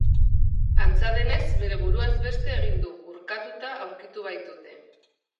Antza denez, bere buruaz beste egin du, urkatuta aurkitu baitute.